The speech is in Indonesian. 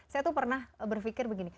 saya tuh pernah berpikir begini